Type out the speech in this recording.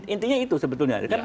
intinya itu sebetulnya